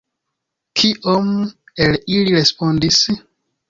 Kiom el ili respondis?